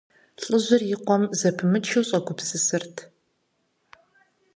ЛӀыжьыр и къуэм зэпымычу щӀэгупсысырт.